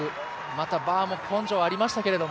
また、バーも根性ありましたけど